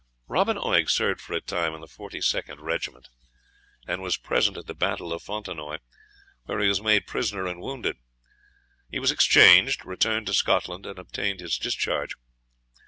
Robin Oig served for a time in the 42d regiment, and was present at the battle of Fontenoy, where he was made prisoner and wounded. He was exchanged, returned to Scotland, and obtained his discharge.